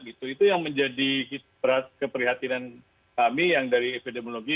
itu yang menjadi keprihatinan kami yang dari epidemiologi